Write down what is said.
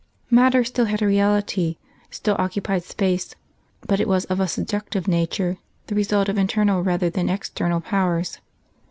Matter still had a reality, still occupied space, but it was of a subjective nature, the result of internal rather than external powers.